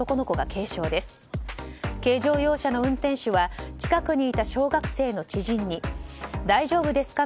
軽乗用車の運転手は近くにいた小学生の知人に大丈夫ですか？